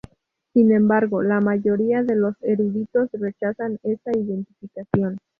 Sin embargo, la mayoría de eruditos rechazan esta identificación.